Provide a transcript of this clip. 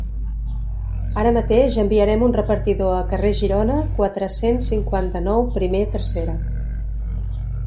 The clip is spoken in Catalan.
Ara mateix enviarem un repartidor a Carrer Girona quatre-cents cinquanta-nou primer tercera.